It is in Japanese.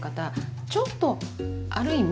ちょっとある意味